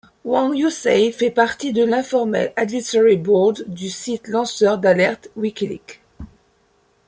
Wang Youcai fait partie de l'informel Advisory Board du site lanceur d'alerte WikiLeaks.